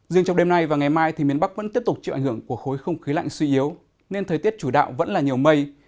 riêng trong đêm nay và ngày mai thì miền bắc vẫn tiếp tục chịu ảnh hưởng của khối không khí lạnh suy yếu nên thời tiết chủ đạo vẫn là nhiều mây